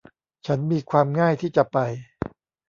ฉันมีความง่ายที่จะไป